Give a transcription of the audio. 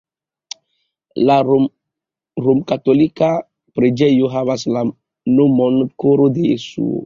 La romkatolika preĝejo havas la nomon Koro de Jesuo.